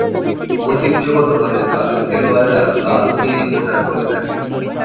ঐতিহ্যগতভাবে ক্লাবের খেলোয়াড়েরা লাল-নীল পোশাক পরে থাকে।